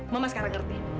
mama sekarang ngerti